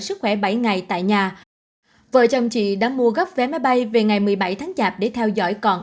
sức khỏe bảy ngày tại nhà vợ chồng chị đã mua gấp vé máy bay về ngày một mươi bảy tháng chạp để theo dõi còn